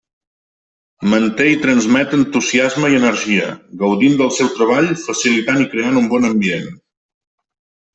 Manté i transmet entusiasme i energia, gaudint del seu treball facilitant i creant un bon ambient.